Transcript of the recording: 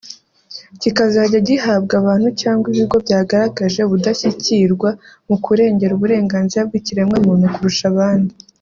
kikazajya gihabwa abantu cyangwa ibigo byagaragaje ubudashyikirwa mu kurengera uburenganzira bw’ikiremwamuntu kurusha abandi